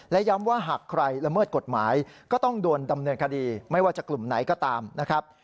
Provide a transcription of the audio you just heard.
และย้ำว่าหากใครละเมิดกฎหมายก็ต้องโดนดำเนินคดีไม่ว่าจะกลุ่มไหนก็ตามนะครับ